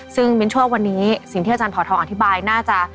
ซึ่งมิ้นชั่ววันนี้สิ่งที่อาจารย์ผอทองอธิบายน่าจะ